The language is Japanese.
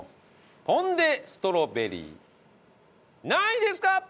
ポン・デ・ストロベリー何位ですか？